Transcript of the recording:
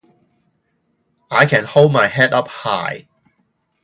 I can hold my head up high.